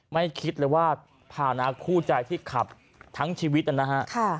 คิดเลยว่าภานะคู่ใจที่ขับทั้งชีวิตนะฮะ